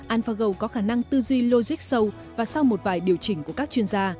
alphago có khả năng tư duy logic sâu và sau một vài điều chỉnh của các chuyên gia